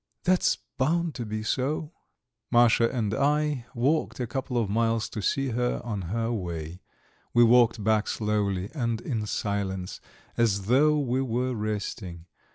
That's bound to be so." Masha and I walked a couple of miles to see her on her way; we walked back slowly and in silence, as though we were resting.